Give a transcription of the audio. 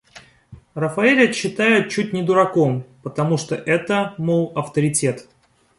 Рафаэля считают чуть не дураком, потому что это, мол, авторитет.